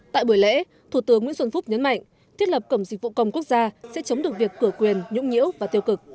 tại buổi lễ thủ tướng nguyễn xuân phúc nhấn mạnh thiết lập cổng dịch vụ công quốc gia sẽ chống được việc cửa quyền nhũng nhiễu và tiêu cực